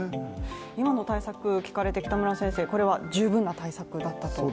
今の対策を聞かれてこれは十分な対策だったと？